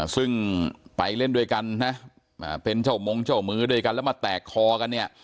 ซึ่งไปเล่นด้วยกันนะเป็นเจ้ามงเจ้ามือด้วยกันแล้วมาแตกคอกันเนี่ย